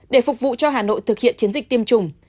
để phục vụ cho hà nội thực hiện chiến dịch tiêm chủng